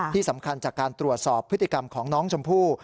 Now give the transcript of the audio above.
ที่สำคัญจากการตรวจสอบพฤติกรรมของน้องชมพู่